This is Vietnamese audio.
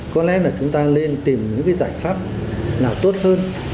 có lẽ là chúng ta nên tìm những cái giải pháp nào tốt hơn